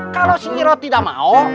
kalau si miro tidak mau